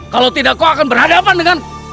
kalau tidak kau akan berhadapan dengan